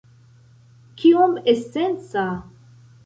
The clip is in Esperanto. Kiom esenca?